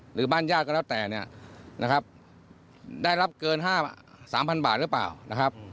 หรือบ้านญาติก็แล้วแต่เนี่ยนะครับได้รับเกิน๕๓๐๐บาทหรือเปล่านะครับ